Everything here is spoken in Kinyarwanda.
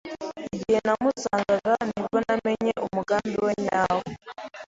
Igihe namusangaga ni bwo namenye umugambi we nyawo.